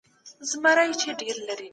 دا اجناس په هېواد کي دننه توليد سوي دي.